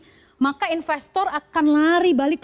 jauh ya tapi kenapa para ekonom sangat mewanti wanti hati hati loh